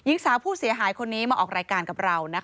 หญิงสาวผู้เสียหายคนนี้มาออกรายการกับเรา